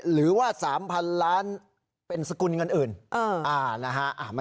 หรือว่า๓๐๐๐ล้านเป็นสกุลเงินอื่น